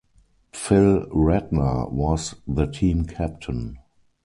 Phil Ratner was the team captain.